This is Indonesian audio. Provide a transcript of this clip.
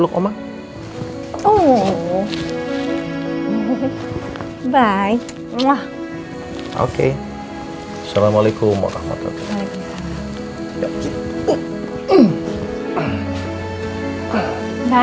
oke assalamualaikum warahmatullah